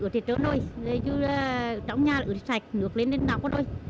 ở thị trấn thôi chứ trong nhà là ướt sạch nước lên đến nóc thôi